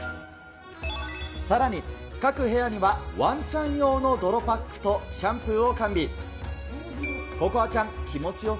さらに、各部屋にはワンちゃん用の泥パックとシャンプーを完備。